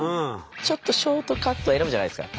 ちょっとショートカット選ぶじゃないですか。